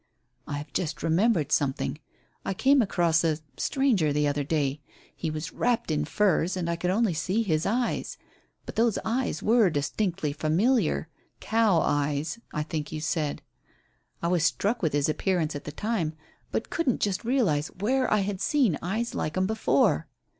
"I have just remembered something. I came across a stranger the other day. He was wrapped in furs, and I could only see his eyes. But those eyes were distinctly familiar 'cow' eyes, I think you said. I was struck with their appearance at the time, but couldn't just realize where I had seen eyes like 'em before."